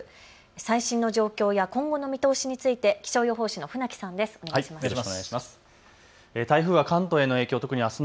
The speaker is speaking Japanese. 最新の状況や今後の見通しについて気象予報士の船木さんです。